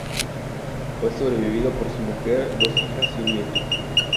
Fue sobrevivido por su mujer, dos hijas y un nieto.